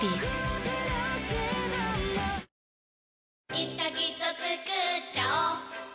いつかきっとつくっちゃおう